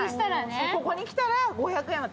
ここにしたらね。